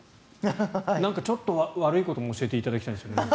なんかちょっと悪いことも教えていただきたいんですが。